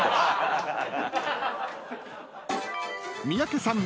［三宅さん